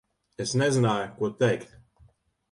Es nezināju, ko teikt.